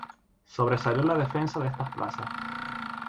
Sobresalió en la defensa de estas plazas.